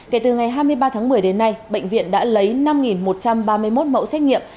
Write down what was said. kể từ ngày hai mươi ba tháng một mươi đến nay bệnh viện đã lấy năm một trăm ba mươi một mẫu xét nghiệm